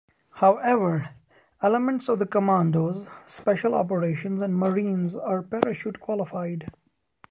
However, elements of the commandos, special operations and marines are parachute qualified.